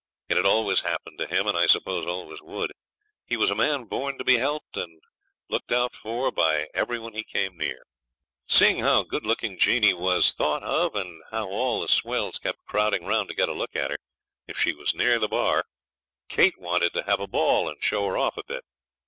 It had always happened to him, and I suppose always would. He was a man born to be helped and looked out for by every one he came near. Seeing how good looking Jeanie was thought, and how all the swells kept crowding round to get a look at her, if she was near the bar, Kate wanted to have a ball and show her off a bit.